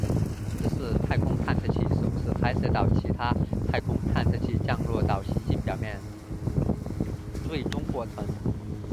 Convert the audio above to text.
这是太空探测器首次拍摄到其他太空探测器降落到行星表面最终过程。